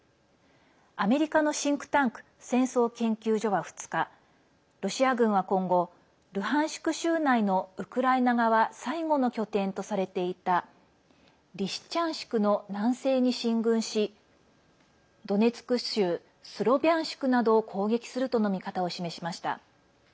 アメリカのシンクタンク戦争研究所は２日ロシア軍は今後ルハンシク州内のウクライナ側最後の拠点とされていたリシチャンシクの南西に進軍しドネツク州スロビャンシクなどを攻撃するとの見方を示しました。